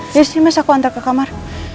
yes ini aku minta ke kamar